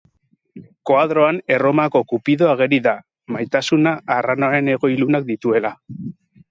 Koadroan Erromako Kupido ageri da, Maitasuna, arranoaren hego ilunak dituela.